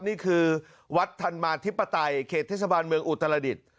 นี่คือวัดธรรมาธิปไตยเขตเทศบาลเมืองอุตรดิษฐ์